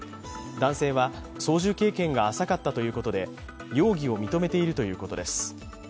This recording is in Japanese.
男性は操縦経験が浅かったということで容疑を認めているということです。